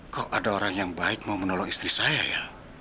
kok ada orang yang baik mau menolong istri saya ya